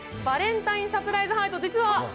バレンタインサプライズハート、実は